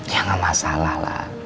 ya gak masalah lah